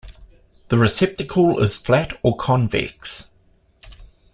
The receptacle is flat or convex.